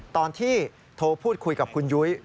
ตอนที่โทรพูดคุยกับคุณยุ้ย